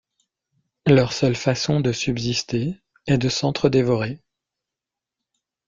Leur seule façon de subsister est de s'entre-dévorer.